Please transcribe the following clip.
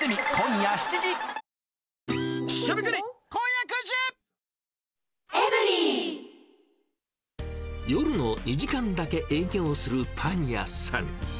夜の２時間だけ営業するパン屋さん。